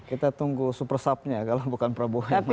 kita tunggu supersubnya kalau bukan prabowo yang masih